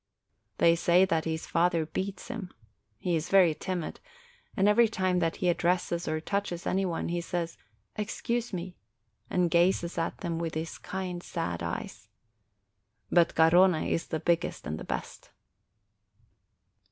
They say that his father beats him ; he is very timid, and every time that he addresses or touches any one, he says, "Excuse me," and gazes at them with his kind, sad eyes. But Garrone is the big gest and the best.